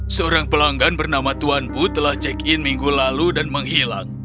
seorang pelanggan bernama tuan bu telah check in minggu lalu dan menghilang